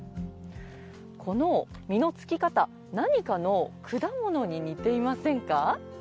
この実のつき方、何かの果物に似ていませんか。